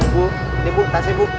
bu ini bu tasik bu